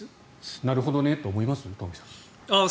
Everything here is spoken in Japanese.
なるほどねと思います？